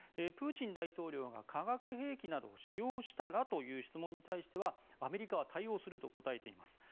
プーチン大統領が化学兵器などを使用したらという質問に対してはアメリカは対応すると答えています。